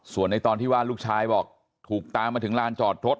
ส่วนในตอนที่ว่าลูกชายบอกถูกตามมาถึงลานจอดรถ